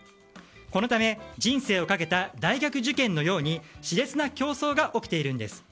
このため、人生をかけた大学受験のように熾烈な競争が起きているんです。